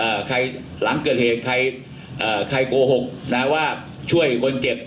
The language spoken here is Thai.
ใครหลังเกิดเหตุใครเอ่อใครโกหกนะว่าช่วยคนเจ็บ